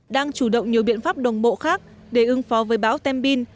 đang chủ động nhiều biện pháp đồng bộ khác để ưng phó với báo tem bin